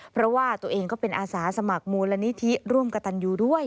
เพราะว่าตัวเองก็เป็นอาสาสมัครมูลนิธิร่วมกับตันยูด้วย